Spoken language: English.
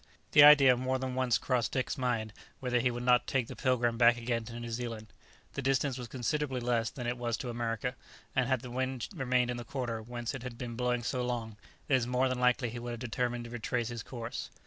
The idea more than once crossed Dick's mind whether he would not take the "Pilgrim" back again to New Zealand; the distance was considerably less than it was to America, and had the wind remained in the quarter whence it had been blowing so long, it is more than likely he would have determined to retrace his course.